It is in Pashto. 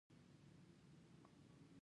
د زړه ږغ هیڅوک نه شي غلی کولی.